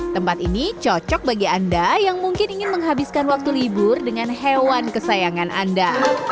tempat ini cocok bagi anda yang mungkin ingin menghabiskan waktu libur dengan hewan kesayangan anda